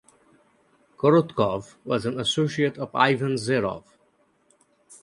Korotkov was an associate of Ivan Serov.